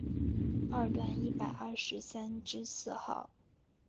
二段一百二十三之四号